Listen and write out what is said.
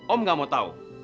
om nggak mau tahu